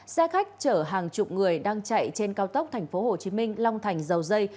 xe khách chở hàng chục người đang chạy trên cao tốc tp hcm long thành dầu dây